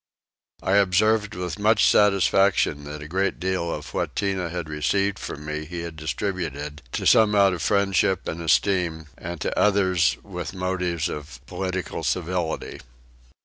I observed with much satisfaction that a great part of what Tinah had received from me he had distributed; to some out of friendship and esteem, and to others from motives of political civility.